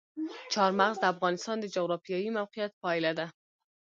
چار مغز د افغانستان د جغرافیایي موقیعت پایله ده.